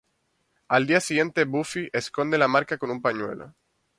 Al día siguiente Buffy esconde la marca con un pañuelo.